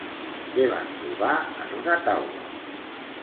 Què van trobar en una taula?